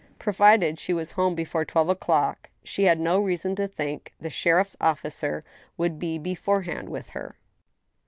Provided she was home before twelve o'clock, she had no reason to think the sheriff's officer would be beforehand with her.